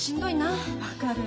分かる。